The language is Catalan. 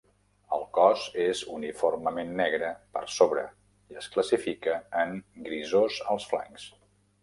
El cos és uniformement negre per sobre i es classifica en grisós als flancs.